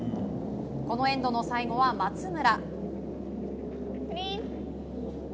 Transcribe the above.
このエンドの最後は松村。